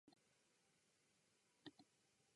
東京特許許可局